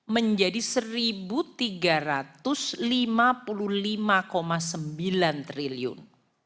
menjadi seribu tiga ratus lima puluh lima sembilan triliun